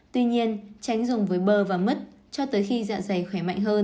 tuy nhiên tránh dùng với bơ và mứt cho tới khi dạ dày khỏe mạnh hơn